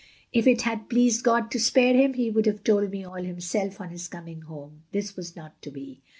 If it had pleased God to spare him, he would have told me all Him self on his coming Home, this was not to be.